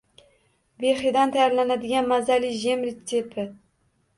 Behidan tayyorlanadigan mazali jem retsepti